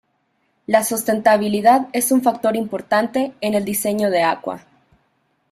La sostenibilidad es un factor importante en el diseño de Aqua.